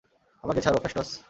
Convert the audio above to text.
আমাকে ছাড়ো, ফ্যাসটস!